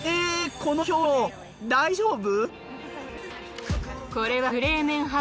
この表情大丈夫！？